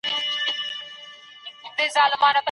آيا د احرام په حالت کي جماع کول منع دي؟